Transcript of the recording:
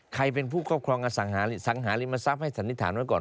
ใครเป็นผู้ครอบครองอสังหาริสังหาริมทรัพย์ให้สันนิษฐานไว้ก่อน